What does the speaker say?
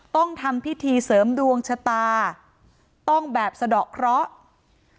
ต้องทำพิธีเสริมดวงชะตาต้องแบบสะดอกเคราะห์